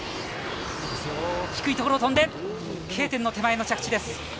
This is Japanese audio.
低いところを飛んでＫ点の手前の着地です。